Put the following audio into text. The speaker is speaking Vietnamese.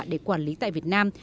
để quản lý tại việt nam